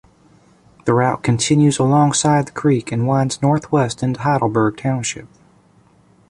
The route continues alongside the creek and winds northwest into Heidelberg Township.